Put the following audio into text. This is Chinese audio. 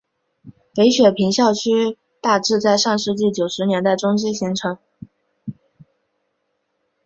北雪平校区大致在上世纪九十年代中期形成。